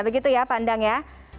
begitu ya pandangnya